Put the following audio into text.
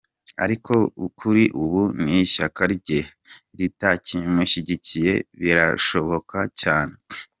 Ariko kuri ubu n’ishyaka rye ritakimushyigikiye birashoboka cyane.